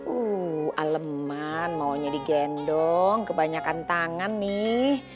uh aleman maunya digendong kebanyakan tangan nih